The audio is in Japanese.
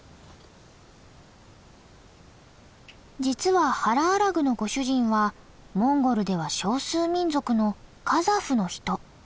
実はハラアラグのご主人はモンゴルでは少数民族のカザフの人。